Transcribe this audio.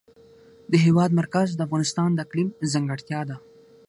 د هېواد مرکز د افغانستان د اقلیم ځانګړتیا ده.